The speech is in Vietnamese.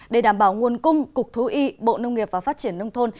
để đảm bảo nguồn cung cục thú y bộ nông nghiệp và phát triển nông thôn